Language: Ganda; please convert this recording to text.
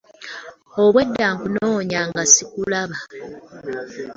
Obwedda nkunonya nga sikulaba.